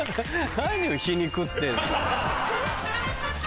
何を皮肉ってる。